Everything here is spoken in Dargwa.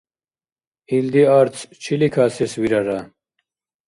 Илди арц чили касес вирара?